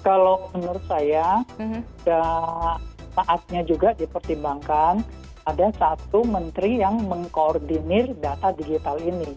kalau menurut saya saatnya juga dipertimbangkan ada satu menteri yang mengkoordinir data digital ini